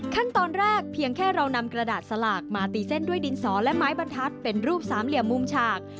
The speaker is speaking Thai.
ขั้นตอนแรกเพียงแค่เรานำกระดาษสลากมาตีเส้นด้วยดินสอและไม้บรรทัศน์เป็นรูปสามเหลี่ยมมุมฉาก